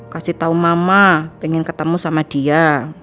kasih tahu mama pengen ketemu sama dia